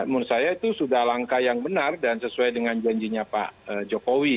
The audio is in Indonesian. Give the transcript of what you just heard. menurut saya itu sudah langkah yang benar dan sesuai dengan janjinya pak jokowi